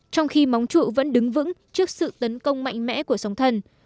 trong khi móng trụ vẫn đứng vững trước sự tấn công mạnh mẽ của sóng thần